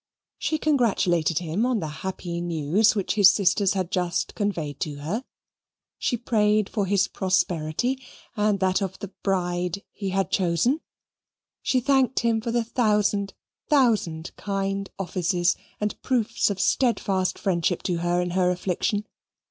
She congratulated him on the happy news which his sisters had just conveyed to her. She prayed for his prosperity and that of the bride he had chosen. She thanked him for a thousand thousand kind offices and proofs of steadfast friendship to her in her affliction.